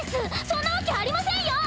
そんなわけありませんよ。